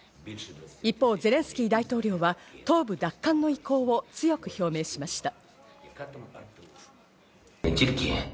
一方、ゼレンスキー大統領は東部奪還の意向を強く表明しました。